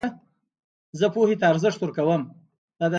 زه پوهي ته ارزښت ورکوم.